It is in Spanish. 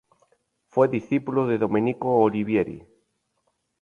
Fue discípulo de Domenico Olivieri.